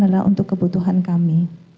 adalah untuk kebutuhan kami